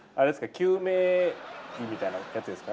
救命着みたいなやつですか？